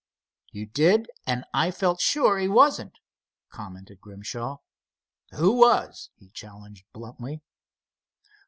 "You did, and I felt sure he wasn't," commented Grimshaw. "Who was?" he challenged, bluntly.